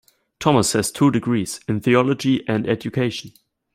Thomas has two degrees, in theology and education.